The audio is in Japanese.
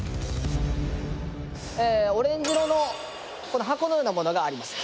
オレンジ色の箱のようなものがあります。